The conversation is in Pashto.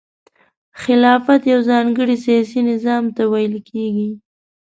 خلافت یو ځانګړي سیاسي نظام ته ویل کیږي.